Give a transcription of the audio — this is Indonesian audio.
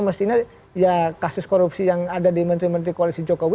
mestinya ya kasus korupsi yang ada di menteri menteri koalisi jokowi